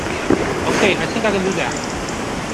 Okay, I think I can do that.